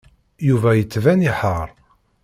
Yuba yettban iḥar.